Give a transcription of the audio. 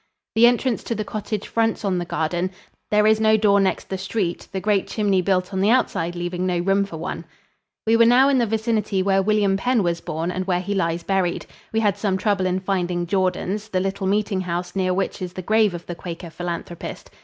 The entrance to the cottage fronts on the garden. There is no door next the street, the great chimney built on the outside leaving no room for one. [Illustration: MILTON'S ROOM IN COTTAGE AT CHALFONT ST. GILES.] We were now in the vicinity where William Penn was born and where he lies buried. We had some trouble in finding Jordans, the little meeting house near which is the grave of the Quaker philanthropist.